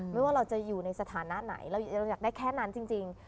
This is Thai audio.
ว่าเราจะอยู่ในสถานะไหนเราอยากได้แค่นั้นจริง